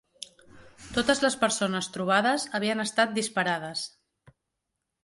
Totes les persones trobades havien estat disparades.